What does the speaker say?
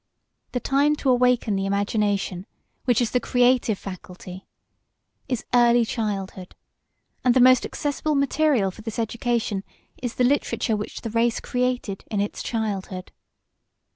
The time to awaken the imagination, which is the creative faculty, is early childhood; and the most accessible material for this education is the literature which the race created in its childhood.